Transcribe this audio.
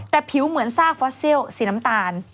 แต่ผิวเหมือนซากฟอสเซียลสีน้ำตาล